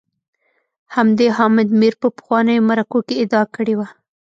همدې حامد میر په پخوانیو مرکو کي ادعا کړې وه